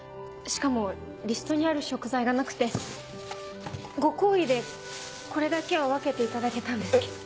しかもリストにある食材がなくてご厚意でこれだけは分けていただけたんですけど。